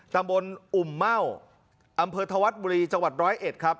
ตำบลอุ่มเม่าอำเภอธวัฒน์บุรีจังหวัดร้อยเอ็ดครับ